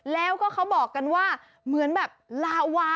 แล้วก็เขาบอกกันว่าเหมือนแบบลาวา